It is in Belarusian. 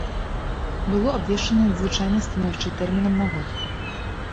Было абвешчана надзвычайнае становішча тэрмінам на год.